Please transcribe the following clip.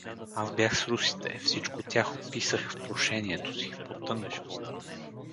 — Аз бях с русите… Всичко тях описах в прошението си, по тънко!